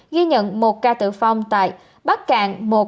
ghi nhận một ca tử vong tại bắc cạn